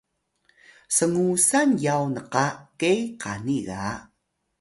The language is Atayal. sngusan yaw nqa ke qani ga